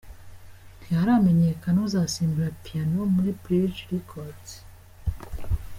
Ntiharamenyekana uzasimbura Piano muri Bridge Records.